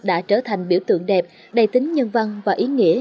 đã trở thành biểu tượng đẹp đầy tính nhân văn và ý nghĩa